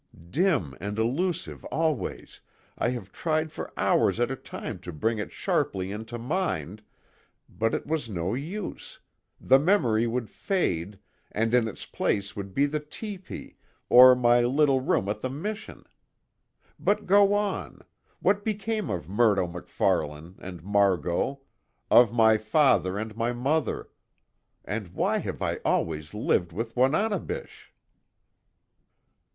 Dim and elusive, always, I have tried for hours at a time to bring it sharply into mind, but it was no use the memory would fade, and in its place would be the tepee, or my little room at the mission. But, go on! What became of Murdo MacFarlane, and Margot of my father and my mother. And why have I always lived with Wananebish?"